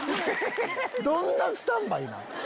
どんなスタンバイなん？